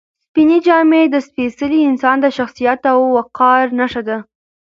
سپینې جامې د سپېڅلي انسان د شخصیت او وقار نښه ده.